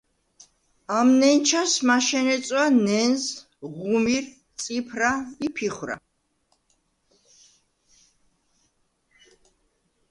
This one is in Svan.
ამ ნენჩას მაშენე წვა ნენზ, ღუმირ, წიფრა ი ფიხვრა.